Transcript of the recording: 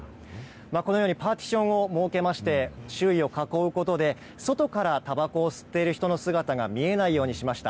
このようにパーティションを設けまして、周囲を囲うことで外からたばこを吸っている人の姿が見えないようにしました。